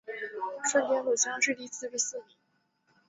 顺天府乡试第四十四名。